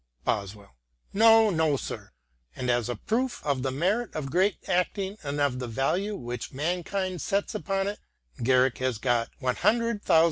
Boswell :" No, no, sir, and as il proof of the merit of great acting and of the value which mankind sets upon it, Garrick has got j£ioo, ooo."